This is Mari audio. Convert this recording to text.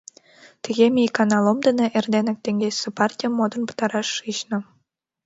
Тыге ме икана Лом дене эрденак теҥгечсе партийым модын пытараш шична.